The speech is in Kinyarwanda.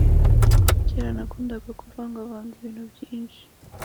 Kera nakundaga kuvangavanga ibintu byinshi